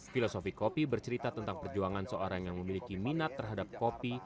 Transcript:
filosofi kopi bercerita tentang perjuangan seorang yang memiliki minat terhadap kopi